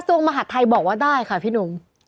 มหาดไทยบอกว่าได้ค่ะพี่หนุ่ม